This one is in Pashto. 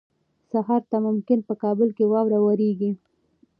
سهار ته ممکن په کابل کې واوره ووریږي.